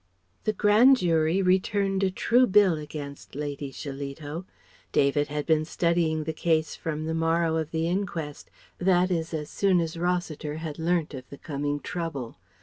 ] The Grand Jury returned a true bill against Lady Shillito. David had been studying the case from the morrow of the inquest, that is as soon as Rossiter had learnt of the coming trouble.